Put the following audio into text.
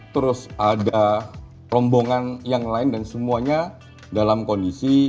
terus ada rombongan yang lain dan semuanya dalam kondisi